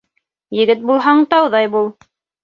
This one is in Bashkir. Егет булһаң тауҙай бул